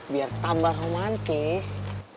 biar tambah romantis